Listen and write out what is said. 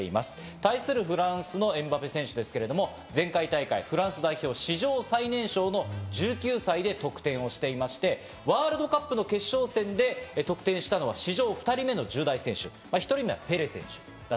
対するフランスのエムバペ選手ですけど前回大会フランス代表史上最年少の１９歳で得点していまして、ワールドカップの決勝戦で得点したのは史上２人目の１０代選手、１人目はペレ選手。